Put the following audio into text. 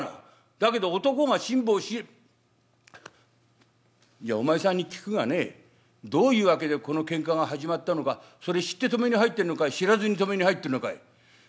だけど男が辛抱しじゃお前さんに聞くがねどういう訳でこの喧嘩が始まったのかそれ知って止めに入ってんのか知らずに止めに入ってんのかい？」。